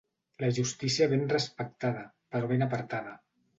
La justícia ben respectada, però ben apartada.